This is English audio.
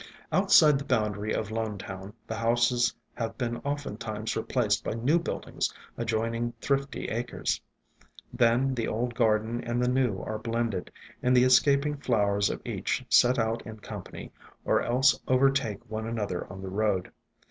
Outside the boundary of Lonetown, the houses have been oftentimes replaced by new buildings ad joining thrifty acres. Then the old garden and the new are blended, and the escaping flowers of each set out in company, or else overtake one another on the road.